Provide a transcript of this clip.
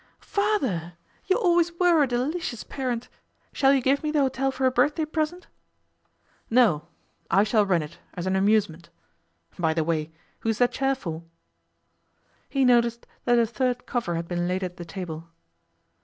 'Father, you always were a delicious parent. Shall you give me the hotel for a birthday present?' 'No. I shall run it as an amusement. By the way, who is that chair for?' He noticed that a third cover had been laid at the table.